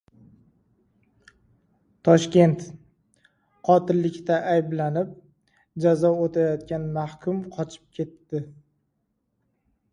Toshkent. Qotillikda ayblanib, jazo o‘tayotgan mahkum qochib ketdi!